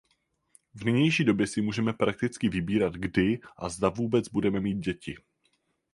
V nynější době si můžeme prakticky vybírat kdy a zda vůbec budeme mít děti.